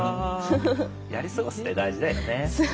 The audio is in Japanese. やり過ごすって大事だよね。